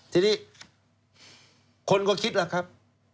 ทีนี้คนก็คิดล่ะครับ